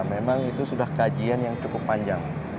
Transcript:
memang itu sudah kajian yang cukup panjang